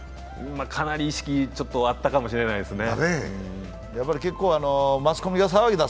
かなり意識あったかもしれないですね。